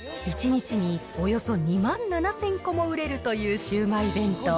１日におよそ２万７０００個も売れるというシウマイ弁当。